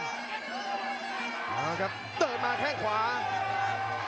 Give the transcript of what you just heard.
เอาละครับเดินมาแค่งขวา